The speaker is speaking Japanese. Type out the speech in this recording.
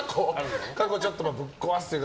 過去ちょっとぶっ壊すみたいな。